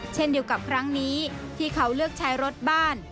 เช่นเดียวกับครั้งนี้ที่เขาเลือกใช้รถบ้าน